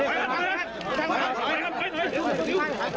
โดนทางครับ